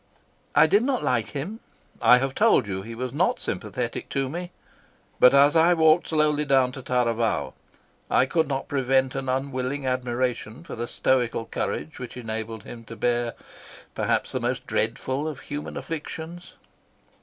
"I did not like him, I have told you he was not sympathetic to me, but as I walked slowly down to Taravao I could not prevent an unwilling admiration for the stoical courage which enabled him to bear perhaps the most dreadful of human afflictions.